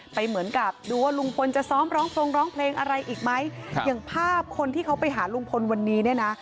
เหมือนกับดูว่าลุงพลจะซ้อมร้องทรงร้องเพลงอะไรอีกไหมอย่างภาพคนที่เขาไปหาลุงพลวันนี้เนี่ยนะ